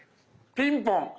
ピンポン！